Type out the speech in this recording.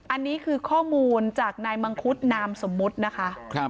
อันนี้คือข้อมูลจากนายมังคุดนามสมมุตินะคะ